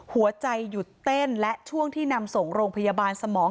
หัวใจหยุดเต้นและช่วงที่นำส่งโรงพยาบาลสมอง